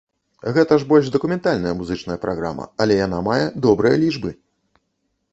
Гэта ж больш дакументальная музычная праграма, але яна мае добрыя лічбы!